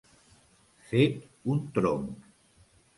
Fet un tronc.